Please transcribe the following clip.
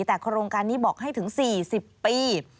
แต่โครงการนี้บอกให้ถึง๔๐ปี